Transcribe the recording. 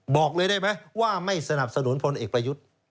บอกเลยได้ไหมว่าไม่สนับสนุนพลเอกประยุทธ์